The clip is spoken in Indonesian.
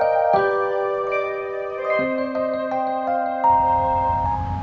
apa sebenarnya lo mau berubah